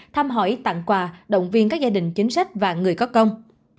thăm hỏi tặng quà động viên các gia đình chính sách và người có công